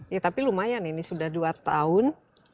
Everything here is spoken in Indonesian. ya tapi lumayan ini sudah dua tahun